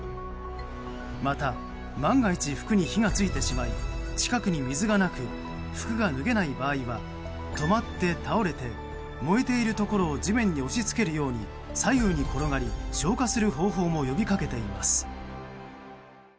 また、万が一服に火が付いてしまい近くに水がなく服が脱げない場合は止まって倒れて燃えているところを地面に押し付けるように左右に転がり消火する方法も呼びかけています。